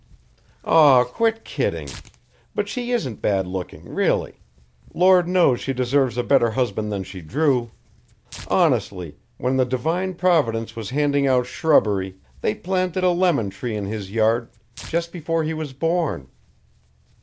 "Aw, quit kidding! But she isn't bad looking, really. Lord knows she deserves a better husband than she drew. Honestly, when the divine providence was handing out shrubbery, they planted a lemon tree in his yard just before he was born."